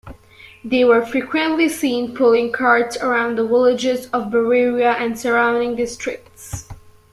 They were frequently seen pulling carts around the villages of Bavaria and surrounding districts.